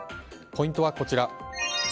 ポイントはこちら。